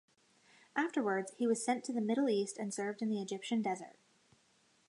Afterwards he was sent to the Middle East and served in the Egyptian desert.